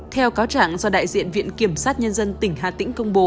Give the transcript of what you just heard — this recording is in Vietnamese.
theo cáo trạng do đại diện viện kiểm sát nhân dân tỉnh hà tĩnh công bố